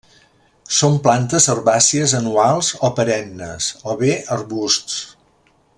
Són plantes herbàcies anuals o perennes, o bé arbusts.